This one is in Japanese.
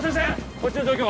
こっちの状況は？